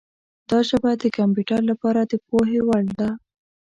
دا ژبه د کمپیوټر لپاره د پوهې وړ ده.